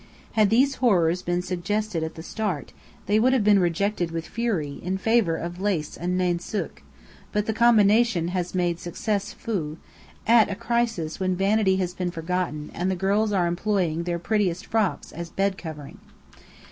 Had these horrors been suggested at the start, they would have been rejected with fury, in favour of lace and nainsook; but the contribution has made a success fou, at a crisis when vanity has been forgotten, and the girls are employing their prettiest frocks as bed covering.